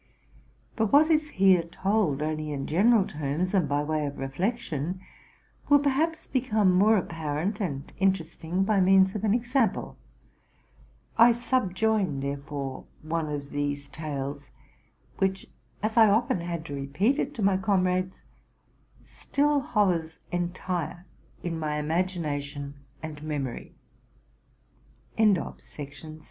But what is here told only in general terms, and by way of reflection, will perhaps become more apparent and interesting by means of an example. I subjoin, therefore, one of these tales, which, as I often had to repeat it to my comrades, still hovers entire in my imagination and memory. RELATING TO MY LIFE.